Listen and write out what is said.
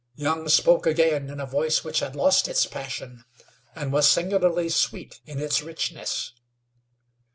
Young spoke again in a voice which had lost its passion, and was singularly sweet in its richness.